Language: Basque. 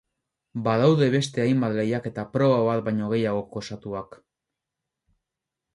Badaude beste hainbat lehiaketa proba bat baino gehiagok osatuak.